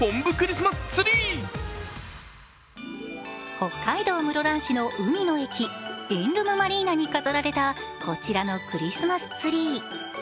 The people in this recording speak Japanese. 北海道室蘭市の海の駅エンルムマリーナに飾られたこちらのクリスマスツリー。